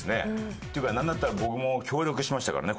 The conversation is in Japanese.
っていうかなんだったら僕も協力しましたからね